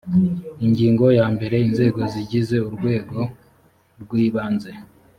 ingingo ya mbere inzego zigize urwego rwibanze